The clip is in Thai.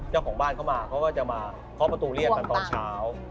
เจ้าของบ้านเขาจะมาเคาะประตูเลียรตอนเช้า